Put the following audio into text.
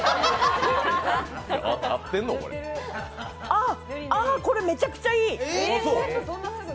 あ、あ、これめっちゃいい。